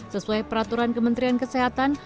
sesuai peraturan kementerian kesehatan